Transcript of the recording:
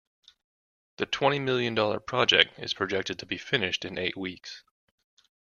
The twenty million dollar project is projected to be finished in eight weeks.